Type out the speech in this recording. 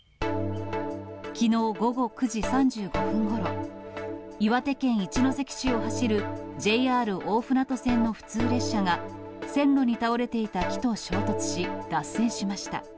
きのう午後９時３５分ごろ、岩手県一関市を走る、ＪＲ大船渡線の普通列車が、線路に倒れていた木と衝突し、脱線しました。